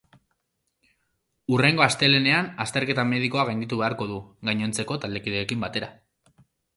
Hurrengo astelehenean azterketa medikoa gainditu beharko du, gainontzeko taldekideekin batera.